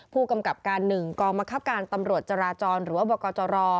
ผู้กำกับการ๑กองบังคับการตำรวจจราจรหรือว่าบกจร